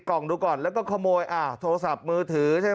กล่องดูก่อนแล้วก็ขโมยอ่าโทรศัพท์มือถือใช่ไหม